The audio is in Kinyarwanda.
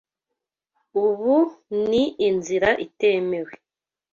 Ubu ni inzira itemewe.